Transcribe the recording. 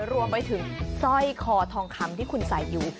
รวมไปถึงสร้อยคอทองคำที่คุณใส่อยู่